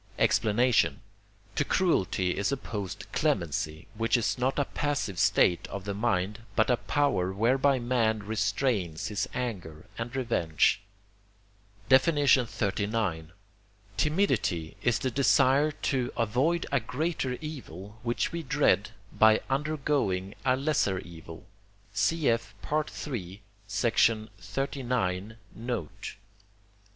Explanation To cruelty is opposed clemency, which is not a passive state of the mind, but a power whereby man restrains his anger and revenge. XXXIX. Timidity is the desire to avoid a greater evil, which we dread, by undergoing a lesser evil. Cf. III. xxxix. note.